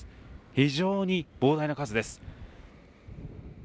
非常に膨大な数です。